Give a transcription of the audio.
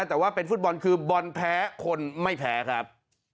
แต่ว่าเป็นฟุตบอลคือบอลแพ้คนไม่แพ้ครับ